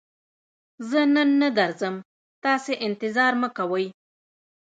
زه نن نه درځم، تاسې انتظار مکوئ!